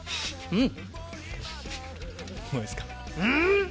うん。